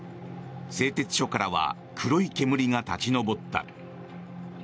製鉄所からは黒い煙が立ち上った。